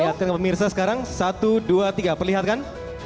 kita perlihatkan ke pemirsa sekarang satu dua tiga perlihatkan